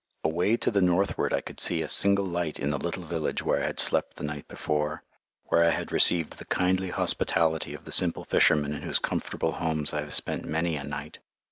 Away to the northward I could see a single light in the little village where I had slept the night before, where I had received the kindly hospitality of the simple fishermen in whose comfortable homes I have spent many a night.